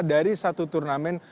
dari satu turnamen